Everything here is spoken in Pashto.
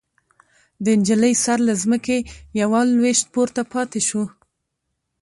د نجلۍ سر له ځمکې يوه لوېشت پورته پاتې شو.